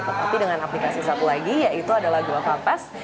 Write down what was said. tetapi dengan aplikasi satu lagi yaitu adalah goa pps